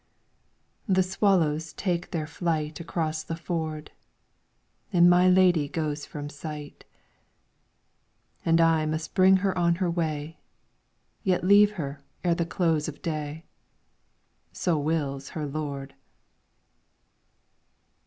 Thk swallows take their flight Across the ford. My lady goes from sight ; And I must bring her on her way, Yet leave her ere the close of day, So wills her lord.